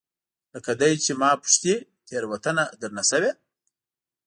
لکه دی چې ما پوښتي، تیروتنه درنه شوې؟